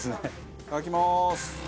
いただきます！